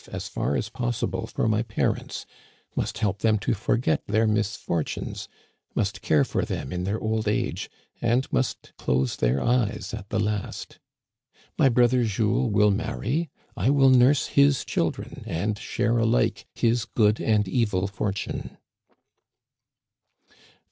as far as possible for my parents, must help them to for get their misfortunes, must care for them in their old age, and must close their eyes at the last. My brother Jules will marry; I will nurse his children, and share alike his good and evil fortune."